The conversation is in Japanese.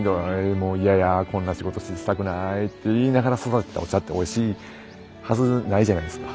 もう嫌やこんな仕事したくないって言いながら育てたお茶っておいしいはずないじゃないですか。